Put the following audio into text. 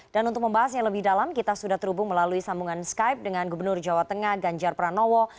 dan untuk membahasnya lebih dalam kita sudah terhubung melalui sambungan skype dengan gubernur jawa tengah ganjar pranowo